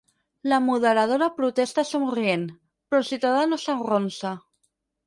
La moderadora protesta somrient, però el ciutadà no s'arronsa.